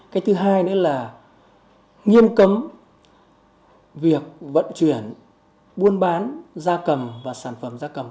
cái thứ hai nữa là nghiêm cấm việc vận chuyển buôn bán da cầm và sản phẩm da cầm